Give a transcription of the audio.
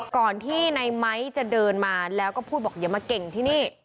ก่อนที่ในไม้จะเดินมาแล้วก็พูดบอกอย่ามาเก่งที่นี่